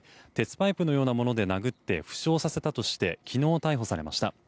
パイプのようなもので殴って負傷させたとして昨日逮捕されました。